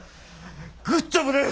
グッジョブです！